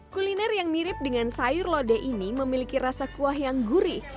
kuliner yang mirip dengan sayur lodeh ini memiliki rasa kuah yang gurih